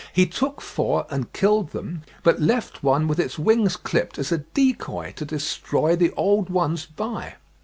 He took four and killed them, but left one with its wings clipped as a decoy to destroy the old ones by.